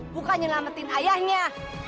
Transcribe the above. bukan nyelamatin ayahnya